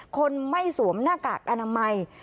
คนไม่สวมหน้ากากอนามัย